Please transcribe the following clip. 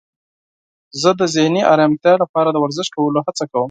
زه د ذهني آرامتیا لپاره د ورزش کولو هڅه کوم.